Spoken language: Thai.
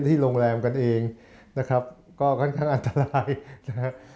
ที่โรงแรมกันเองนะครับก็ค่อนข้างอันตรายนะฮะ